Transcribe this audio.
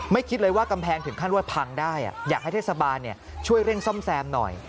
คิดเลยว่ากำแพงถึงขั้นว่าพังได้อยากให้เทศบาลช่วยเร่งซ่อมแซมหน่อย